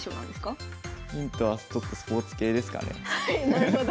なるほど。